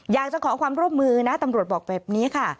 อยากจะขอความร่วมมือนะตำรวจบอกแบบนี้ค่ะ